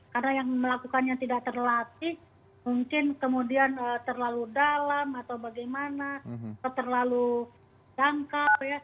karena yang melakukannya tidak terlatih mungkin kemudian terlalu dalam atau bagaimana atau terlalu jangka